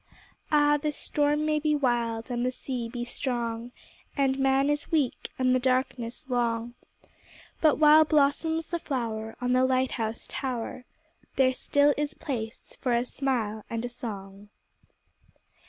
Ah, the storm may be wild and the sea be strong, And man is weak and the darkness long, But while blossoms the flower on the light house tower There still is place for a smile and a song.